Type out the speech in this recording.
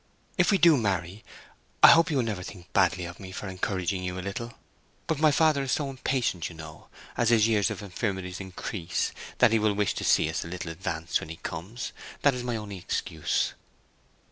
If we do marry, I hope you will never think badly of me for encouraging you a little, but my father is so impatient, you know, as his years and infirmities increase, that he will wish to see us a little advanced when he comes. That is my only excuse."